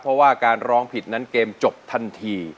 เพราะว่าการร้องผิดนั้นเกมจบทันที